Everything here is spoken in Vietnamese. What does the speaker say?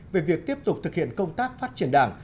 về việc tiếp tục thực hiện công tác phát triển đảng